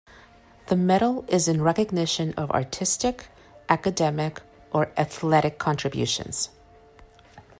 The medal is in recognition of artistic, academic or athletic contributions.